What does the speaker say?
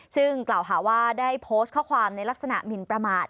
ซึ่งกล่าวหาว่าได้โพสต์ข้อความในลักษณะหมินประมาท